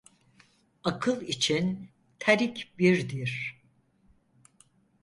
Akıl için tarik birdir.